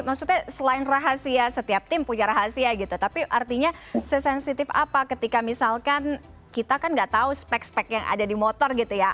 maksudnya selain rahasia setiap tim punya rahasia gitu tapi artinya sesensitif apa ketika misalkan kita kan nggak tahu spek spek yang ada di motor gitu ya